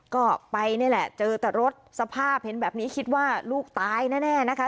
ก็ไปนี่แหละเจอแต่รถสภาพเห็นแบบนี้คิดว่าลูกตายแน่นะคะ